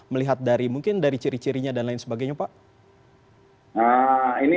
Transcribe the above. tapi sejauh ini sudah ada pak hasil penyelidikan untuk sementara waktu